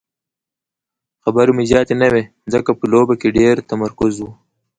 خبرې مو زیاتې نه وې ځکه په لوبه کې ډېر تمرکز وو.